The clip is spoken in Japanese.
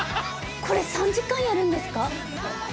これ、３時間やるんですか？